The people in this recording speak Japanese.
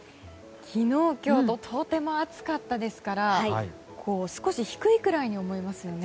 昨日、今日ととても暑かったですから少し低いくらいに思いますよね。